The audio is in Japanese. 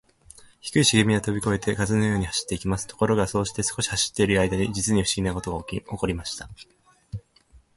低いしげみはとびこえて、風のように走っていきます。ところが、そうして少し走っているあいだに、じつにふしぎなことがおこりました。